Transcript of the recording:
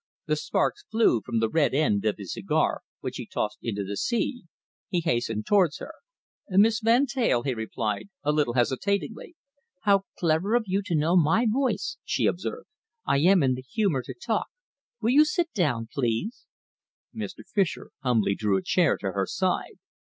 The sparks flew from the red end of his cigar, which he tossed into the sea. He hastened towards her. "Miss Van Teyl?" he replied, a little hesitatingly. "How clever of you to know my voice!" she observed. "I am in the humour to talk. Will you sit down, please?" Mr. Fischer humbly drew a chair to her side.